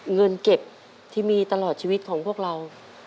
เงินเก็บที่มีตลอดชีวิตของพวกเรา